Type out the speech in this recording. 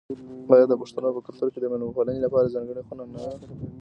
آیا د پښتنو په کلتور کې د میلمه پالنې لپاره ځانګړې خونه نه وي؟